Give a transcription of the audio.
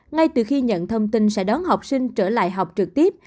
ngay từ khi nhận thông tin sẽ đón học sinh trở lại học trực tiếp